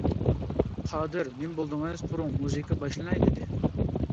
-قادىر نېمە بولدىڭىز؟ تۇرۇڭ مۇزىكا باشلىناي دېدى.